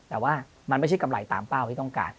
แต่ว่ามันไม่ใช่กำไรตามเป้าที่ต้องการ